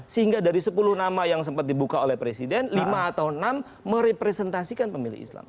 sehingga dari sepuluh nama yang sempat dibuka oleh presiden lima atau enam merepresentasikan pemilih islam